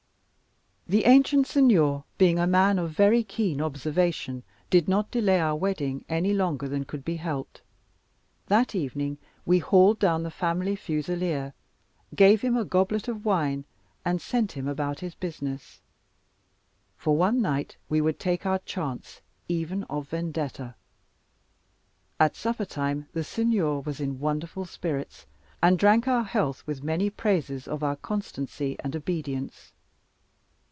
The ancient Signor being a man of very keen observation, did not delay our wedding any longer than could be helped. That evening we hauled down the family fusileer, gave him a goblet of wine, and sent him about his business: for one night we would take our chance even of Vendetta. At supper time the Signor was in wonderful spirits, and drank our health with many praises of our constancy and obedience.